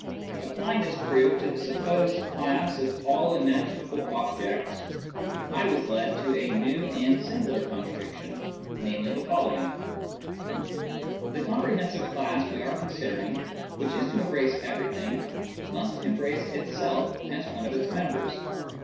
Apply ing this proof to the supposed class of all imaginable objects, I was led to a new and simpler contradiction, namely, the following :— The comprehensive class we are considering, which is to embrace everything, must embrace itself as one of its members.